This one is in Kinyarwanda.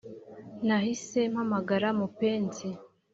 nahise mpamagara mupenzi